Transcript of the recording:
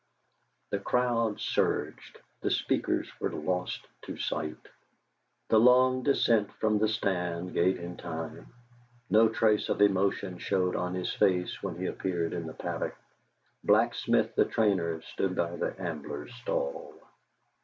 The crowd surged; the speakers were lost to sight. The long descent from the stand gave him time. No trace of emotion showed on his face when he appeared in the paddock. Blacksmith the trainer stood by the Ambler's stall.